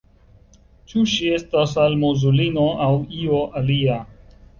Ĉu ŝi estas almozulino, aŭ io alia?